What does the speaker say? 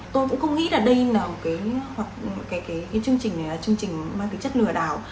tôi cũng không nghĩ là đây là một chương trình mang chất lừa đảo